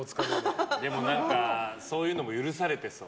でも、何かそういうのも許されてそう。